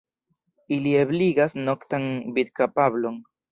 Ili ebligas noktan vidkapablon.